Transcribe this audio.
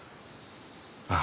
ああ。